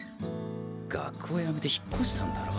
学校やめて引っ越したんだろ？